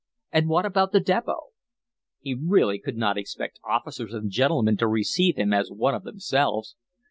And what about the depot? He really could not expect officers and gentlemen to receive him as one of themselves.